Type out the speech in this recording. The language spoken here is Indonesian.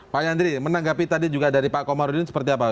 pak yandri menanggapi tadi juga dari pak komarudin seperti apa